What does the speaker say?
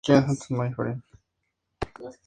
Especial tradición tiene el vino de Malvasía.